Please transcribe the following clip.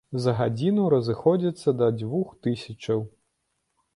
За гадзіну разыходзіцца да дзвюх тысячаў.